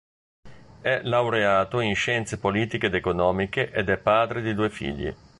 È laureato in scienze politiche ed economiche ed è padre di due figli.